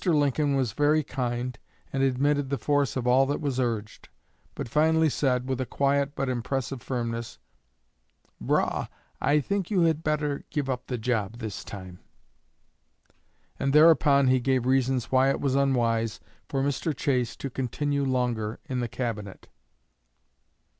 Lincoln was very kind, and admitted the force of all that was urged; but finally said, with a quiet but impressive firmness, 'Brough, I think you had better give up the job this time.' And thereupon he gave reasons why it was unwise for Mr. Chase to continue longer in the Cabinet."